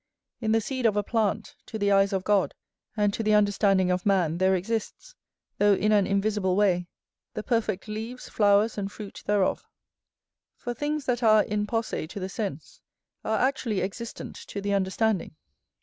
In the seed of a plant, to the eyes of God, and to the understanding of man, there exists, though in an invisible way, the perfect leaves, flowers, and fruit thereof; for things that are in posse to the sense, are actually existent to the understanding.